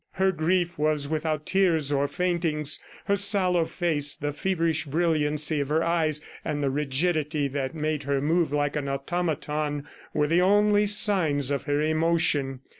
Her grief was without tears or faintings. Her sallow face, the feverish brilliancy of her eyes, and the rigidity that made her move like an automaton were the only signs of her emotion.